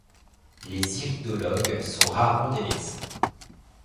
Les iridologues sont rarement des médecins.